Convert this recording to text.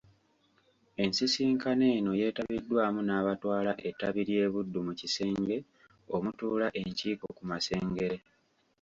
Ensisinkano eno yeetabiddwamu n'abatwala ettabi ly'e Buddu mu kisenge omutuula enkiiko ku Masengere.